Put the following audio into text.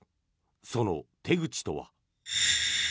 その手口とは。